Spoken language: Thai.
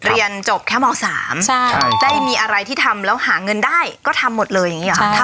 เรียนจบแค่ม๓ได้มีอะไรที่ทำแล้วหาเงินได้ก็ทำหมดเลยอย่างนี้หรอครับ